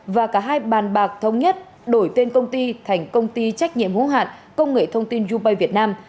và cả hai bàn bạc thống nhất đổi tên công ty thành công ty trách nhiệm hữu hạn công nghệ thông tin youbay việt nam